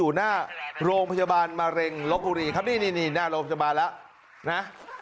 อยู่หน้าโรงพยาบาลมะเร็งลบบุรีครับนี่นี่หน้าโรงพยาบาลแล้วนะ